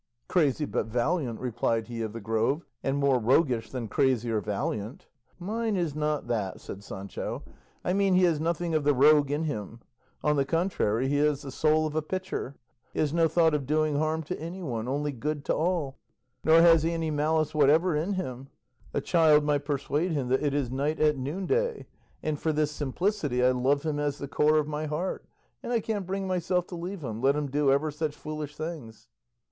"Crazy but valiant," replied he of the Grove, "and more roguish than crazy or valiant." "Mine is not that," said Sancho; "I mean he has nothing of the rogue in him; on the contrary, he has the soul of a pitcher; he has no thought of doing harm to anyone, only good to all, nor has he any malice whatever in him; a child might persuade him that it is night at noonday; and for this simplicity I love him as the core of my heart, and I can't bring myself to leave him, let him do ever such foolish things."